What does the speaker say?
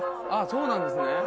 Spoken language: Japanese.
あっそうなんですね。